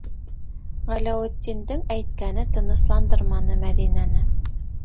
Ғәләүетдиндең әйткәне тынысландырманы Мәҙинәне.